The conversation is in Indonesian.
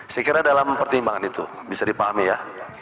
saya kira dalam pertimbangan itu bisa dipahami ya